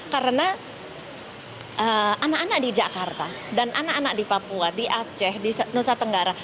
karena anak anak di jakarta dan anak anak di papua di aceh di nusa tenggara